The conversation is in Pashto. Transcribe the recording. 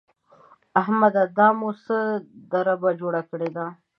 احمده! دا مو څه دربه جوړه کړې ده؟!